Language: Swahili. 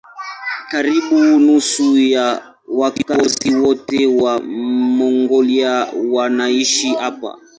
Karibu nusu ya wakazi wote wa Mongolia wanaishi hapa.